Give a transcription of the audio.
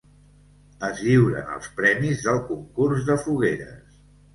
Es lliuren els premis del concurs de fogueres.